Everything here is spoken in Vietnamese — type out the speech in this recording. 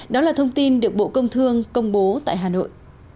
đó là thông tin được bộ công thương công bố tại hà nội